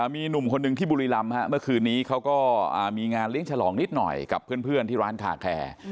มีหนุ่มคนหนึ่งที่บุรีรำเมื่อคืนนี้เขาก็มีงานเลี้ยงฉลองนิดหน่อยกับเพื่อนที่ร้านคาแคร์